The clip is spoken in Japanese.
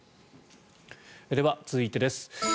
では続いてです。